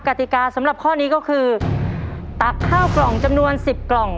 กติกาสำหรับข้อนี้ก็คือตักข้าวกล่องจำนวน๑๐กล่อง